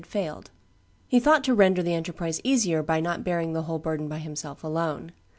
had failed. He thought to render the enterprise easier by not bearing the whole burden by himself alone.